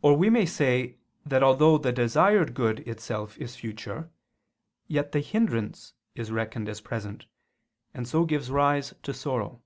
Or we may say that although the desired good itself is future, yet the hindrance is reckoned as present, and so gives rise to sorrow.